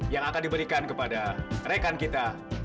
yang akan diberikan kepada rekan kita